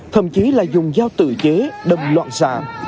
thậm chí là dùng dao tự chế đâm loạn xạ